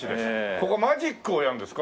ここマジックをやるんですか？